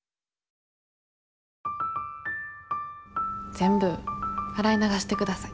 全部洗い流して下さい。